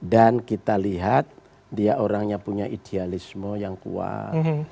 dan kita lihat dia orangnya punya idealisme yang kuat